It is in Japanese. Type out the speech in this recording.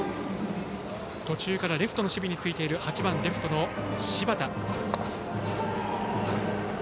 途中からレフトの守備についている８番レフトの柴田。